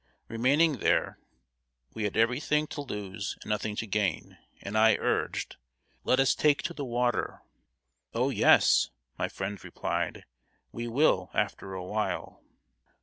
Remaining there, we had every thing to lose and nothing to gain, and I urged "Let us take to the water." "Oh, yes," my friends replied, "we will after awhile."